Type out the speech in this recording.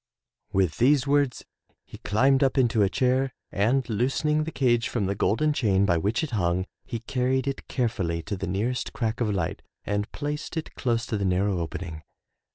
'' With these words he climbed up into a chair and loosening the cage from the golden chain by which it hung, he carried it carefully to the nearest crack of light and placed it close to the narrow opening.